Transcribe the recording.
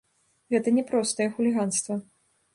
Гэта не простае хуліганства.